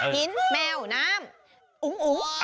หินแมวน้ำอุ๋ง